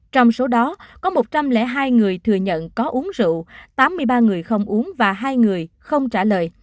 trong số đó có một trăm linh hai người thừa nhận có uống rượu tám mươi ba người không uống và hai người không trả lời